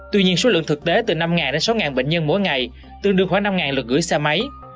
tuy nhiên số lượng thực tế từ năm đến sáu bệnh nhân mỗi ngày tương đương khoảng năm lượt gửi xe máy